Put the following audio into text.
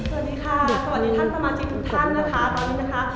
สวัสดีค่ะสวัสดีท่านสมาชิกทุกท่านนะคะตอนนี้นะคะ